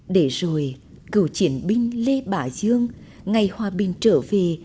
để rồi cựu triển binh lê bảo dương ngày hòa bình trở về